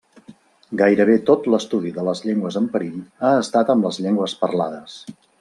Gairebé tot l'estudi de les llengües en perill ha estat amb les llengües parlades.